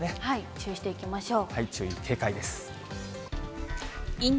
注意していきましょう。